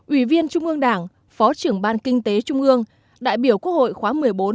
ủy viên trung ương đảng phó trưởng ban kinh tế trung ương đại biểu quốc hội khóa một mươi bốn